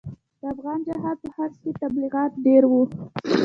د افغان جهاد په حق کې تبلیغات ډېر وو.